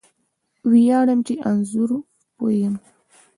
ویاړم چې رانځور پوه یم